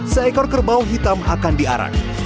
seekor kerbau hitam akan diarak